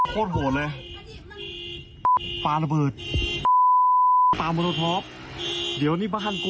ปลาระเบิด